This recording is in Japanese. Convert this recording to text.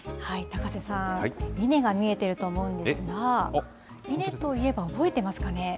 高瀬さん、稲が見えてると思うんですが、稲といえば覚えてますかね？